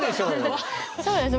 そうです。